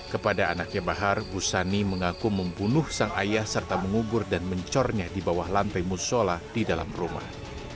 kepada anaknya bahar busani mengaku membunuh sang ayah serta mengubur dan mencornya di bawah lantai musola di dalam rumah